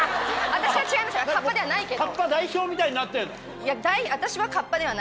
私は違いますよカッパではないけど。